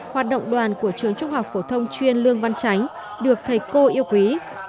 hoạt động đoàn của trường trung học phổ thông chuyên lương văn chánh được thầy cô yêu quý